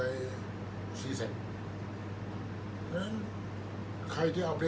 อันไหนที่มันไม่จริงแล้วอาจารย์อยากพูด